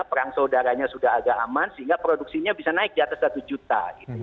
perang saudaranya sudah agak aman sehingga produksinya bisa naik di atas satu juta